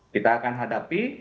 kita akan hadapi